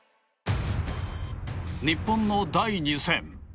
日本の第２戦！